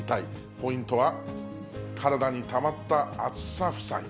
ポイントは、体にたまった暑さ負債。